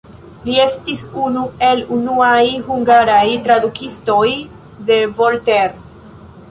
Li estis unu el unuaj hungaraj tradukistoj de Voltaire.